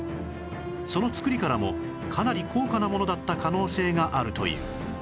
その作りからもかなり高価なものだった可能性があるという